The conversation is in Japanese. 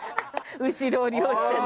後ろを利用してね。